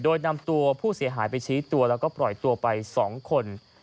โดยนำตัวผู้เสียหายไปชี้ตัวแล้วก็ปล่อยตัวไป๒คน